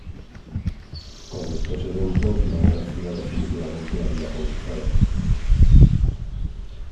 Con estos eventos, la Guerra Fría definitivamente había comenzado.